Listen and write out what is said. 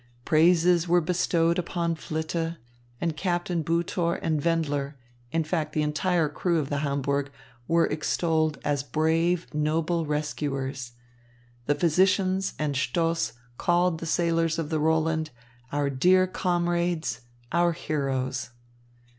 Praises were bestowed upon Flitte; and Captain Butor and Wendler, in fact the entire crew of the Hamburg, were extolled as brave, noble rescuers. The physicians and Stoss called the sailors of the Roland, "Our dear comrades! Our heroes!"